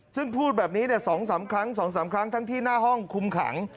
ซึ่งพูดแบบนี้๒๓ครั้ง๒๓ครั้งทั้งที่หน้าห้องคุมขัง